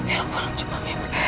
ya allah cuma mimpi